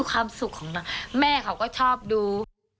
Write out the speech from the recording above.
ความสุขของนางแม่เขาก็ชอบดู